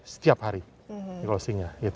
setiap hari closingnya